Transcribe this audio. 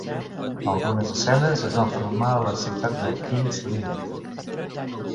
Algunes escenes es van filmar a la ciutat de King's Lynn.